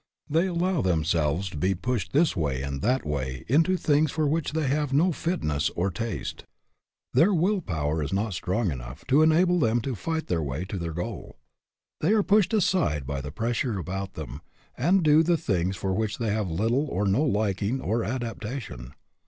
They allow themselves to be pushed this way and that way into things for which they have no fit ness or taste. Their will power is not strong enough to enable them to fight their way to their goal. They are pushed aside by the pres sure about them, and do the things for which they have little or no liking or adaptation.